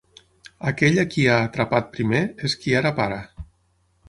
Aquell a qui ha atrapat primer és qui ara para.